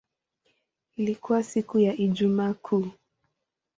Ilikuwa siku ya Ijumaa Kuu.